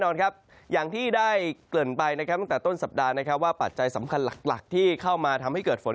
ตั้งแต่ต้นสัปดาห์ว่าปัจจัยสำคัญหลักที่เข้ามาทำให้เกิดฝน